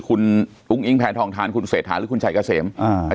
คุณอุ้งอิงพี่แผนทองทานคุณเสทรหาหรือคุณชายกาเสมอ่า